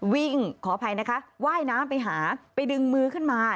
ขออภัยนะคะว่ายน้ำไปหาไปดึงมือขึ้นมา